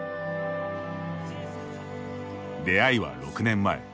出会いは６年前。